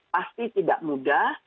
pasti tidak mudah